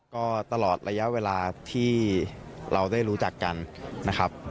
ก็ตลอดระยะเวลาที่เราได้รู้จักกันนะครับ